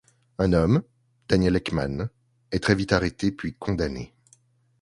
Un homme, Daniel Eckmann, est très vite arrêté, puis condamné.